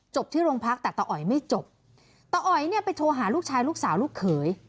ที่โรงพักแต่ตาอ๋อยไม่จบตาอ๋อยเนี่ยไปโทรหาลูกชายลูกสาวลูกเขย